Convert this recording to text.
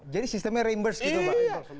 jadi sistemnya reimburse gitu bang